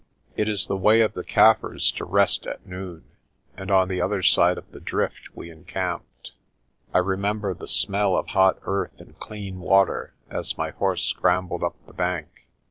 It is the way of the Kaffirs to rest at noon, and on the other side of the drift we encamped. I remember the smell of hot earth and clean water as my horse scrambled up the bank.